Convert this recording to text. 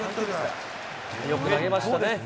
よく投げましたね。